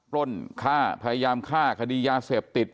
ปล้นฆ่าพยายามฆ่าคดียาเสพติด